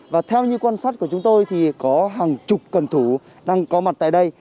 và theo như quan sát của chúng tôi thì có hàng chục cần thủ đang có mặt tại đây